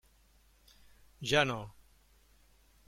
Ja no.